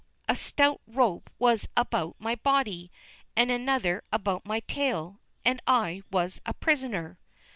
a stout rope was about my body, and another about my tail, and I was a prisoner!